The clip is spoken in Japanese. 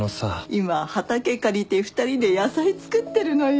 今畑借りて２人で野菜作ってるのよ。